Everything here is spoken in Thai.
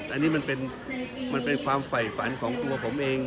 อันนี้มันเป็นมันเป็นความไฝ่ฝันของตัวผมเอง